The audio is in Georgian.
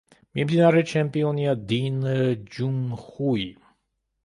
მიმდინარე ჩემპიონია დინ ჯუნხუი.